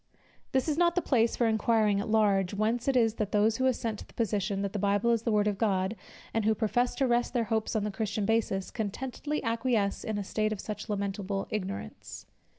This is not the place for inquiring at large, whence it is that those who assent to the position, that the Bible is the word of God, and who profess to rest their hopes on the Christian basis, contentedly acquiesce in a state of such lamentable ignorance.